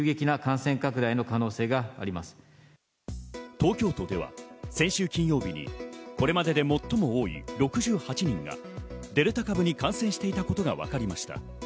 東京都では先週金曜日にこれまでで最も多い６８人がデルタ株に感染していたことが分かりました。